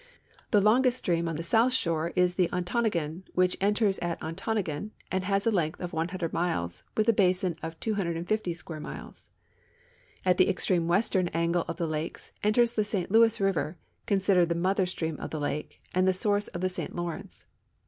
The longest stream on the south shore is the Ontonagon, w'hich enters at Ontonagon, and has a length of 100 miles, with a basin of 250 square miles. At the extreme western angle of the lake enters the St Louis river, considered the mother stream of the lake and the source of the St Lawrence.